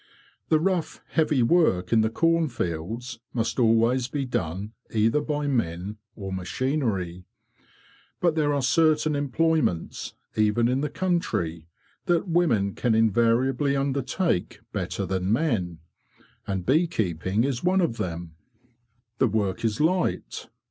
The rough, heavy work in the cornfields must always be done either by men or machinery. But there are certain employments, even in the country, that women can invariably undertake better than men, and bee keeping is one of them. The work is light.